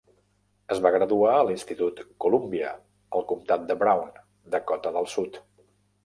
Es va graduar a l'institut Columbia, al comtat de Brown, Dakota del Sud.